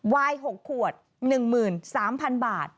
วาย๖ขวด๑๓๐๐๐บาท